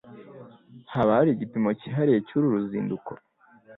Haba hari igipimo cyihariye cyuru ruzinduko?